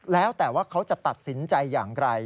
แล้วแต่ว่าเขาจะตัดสินใจอย่างไร